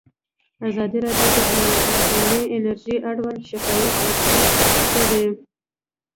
ازادي راډیو د اټومي انرژي اړوند شکایتونه راپور کړي.